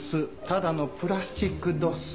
ただのプラスチックどす。